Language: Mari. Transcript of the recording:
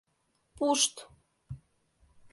— Пушт!